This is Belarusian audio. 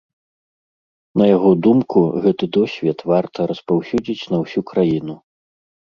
На яго думку, гэты досвед варта распаўсюдзіць на ўсю краіну.